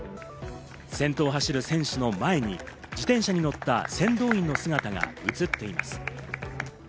先頭を走る選手の前に自転車に乗った先導員の姿が映っています。